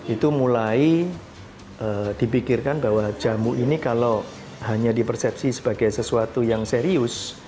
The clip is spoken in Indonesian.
itu mulai dipikirkan bahwa jamu ini kalau hanya dipersepsi sebagai sesuatu yang serius